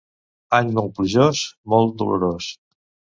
Any molt plujós, molt dolorós.